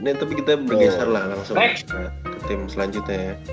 ini tapi kita bergeser lah langsung ke tim selanjutnya ya